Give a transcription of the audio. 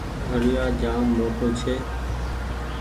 گھڙيآ جآم موٽو ڇي ۔